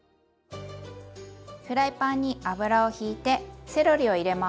フライパンに油をひいてセロリを入れます。